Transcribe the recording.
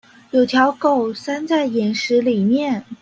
有條狗塞在岩石裡面